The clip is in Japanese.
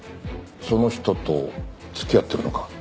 その人と付き合ってるのか？